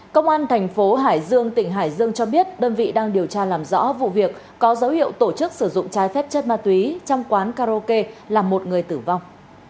công an thành phố hải dương tỉnh hải dương cho biết đơn vị đang điều tra làm rõ vụ việc có dấu hiệu tổ chức sử dụng trái phép chất ma túy trong quán karaoke làm một người tử vong